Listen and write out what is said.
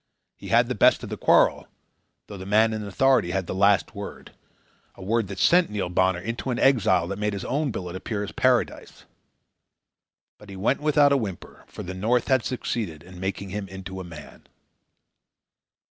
He had the best of the quarrel, though the man in authority had the last word, a word that sent Neil Bonner into an exile that made his old billet appear as paradise. But he went without a whimper, for the North had succeeded in making him into a man.